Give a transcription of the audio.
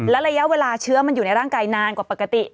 และระยะเวลาเชื้อมันอยู่ในร่างกายนานกว่าปกติ